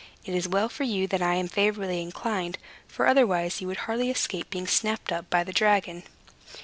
It is well for you that I am favorably inclined; for, otherwise, you would hardly escape being snapped up by the dragon."